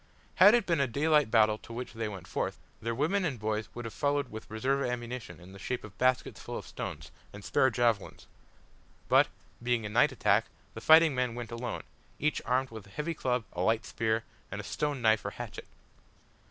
Had it been a daylight battle to which they went forth, their women and boys would have followed with reserve ammunition in the shape of baskets full of stones, and spare javelins; but, being a night attack, the fighting men went alone each armed with a heavy club, a light spear, and a stone knife or hatchet.